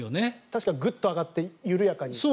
確かにグッと上がって緩やかに。